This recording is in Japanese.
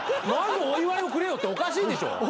まずお祝いをくれよっておかしいでしょ。